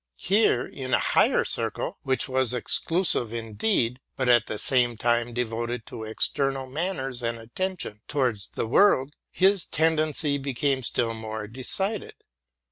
Here, ina higher circle, which was exclusive indeed, but, at the same time, devoted to ex ternal manners and attention towards the world, his tendency became still more decided.